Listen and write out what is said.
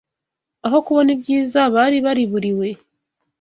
aho kubona ibyiza bari bariburiwe!